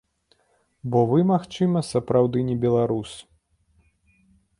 Бо вы, магчыма, сапраўды не беларус!